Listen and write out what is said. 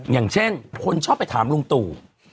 อย่างเช่นคนชอบไปถามลุงตู่